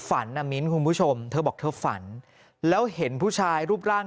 นะมิ้นคุณผู้ชมเธอบอกเธอฝันแล้วเห็นผู้ชายรูปร่าง